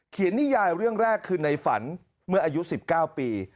นิยายเรื่องแรกคือในฝันเมื่ออายุ๑๙ปี